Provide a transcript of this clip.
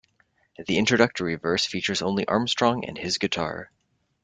The introductory verse features only Armstrong and his guitar.